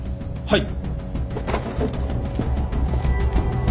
はい。